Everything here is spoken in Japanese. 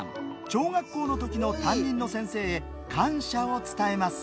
小学校のときの担任の先生へ感謝を伝えます。